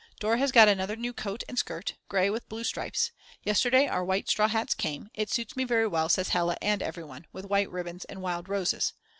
Dora has got another new coat and skirt, grey with blue stripes; yesterday our white straw hats came, it suits me very well says Hella and everyone, with white ribbons and wild roses.